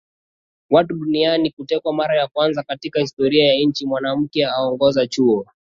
watu duniani koteKwa Mara ya Kwanza katika Historia ya Nchi Mwanamke Aongoza Chuo